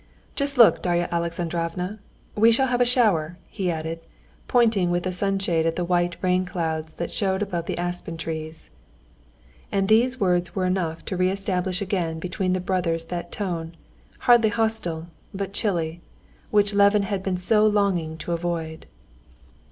"Just look, Darya Alexandrovna, we shall have a shower," he added, pointing with a sunshade at the white rain clouds that showed above the aspen tree tops. And these words were enough to re establish again between the brothers that tone—hardly hostile, but chilly—which Levin had been so longing to avoid.